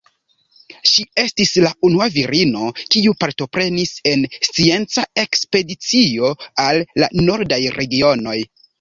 Ŝi estis la unua virino kiu partoprenis en scienca ekspedicio al la nordaj regionoj.